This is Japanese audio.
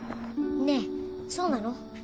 ねえそうなの？